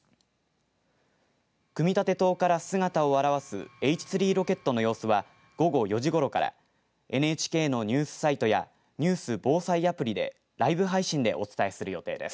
組み立て棟から姿を現すＨ３ロケットの様子は午後４時ごろからＮＨＫのニュースサイトやニュース防災アプリでライブ配信でお伝えする予定です。